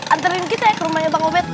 anterin kita ke rumahnya bang obed